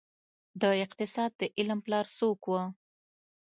د اقتصاد د علم پلار څوک وه؟